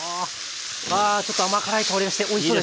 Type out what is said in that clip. わあちょっと甘辛い香りがしておいしそうです。